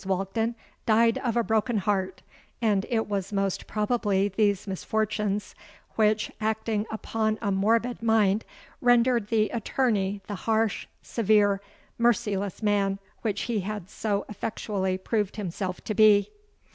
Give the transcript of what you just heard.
Walkden died of a broken heart; and it was most probably these misfortunes which, acting upon a morbid mind, rendered the attorney the harsh, severe, merciless man which he had so effectually proved himself to be.